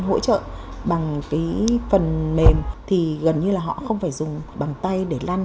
hỗ trợ bằng cái phần mềm thì gần như là họ không phải dùng bằng tay để lăn